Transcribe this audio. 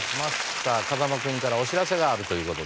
さあ風間君からお知らせがあるという事で。